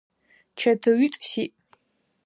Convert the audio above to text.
Чэтыуитӏу сиӏ.